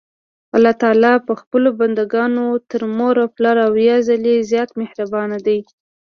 الله تعالی په خپلو بندګانو تر مور او پلار اويا ځلي زيات مهربان دي.